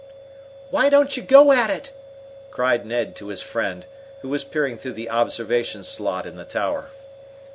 "Why don't you go at it?" cried Ned to his "friend, who was peering through the observation slot in the tower."